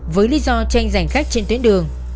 với lý do tranh giành khách trên tuyến đường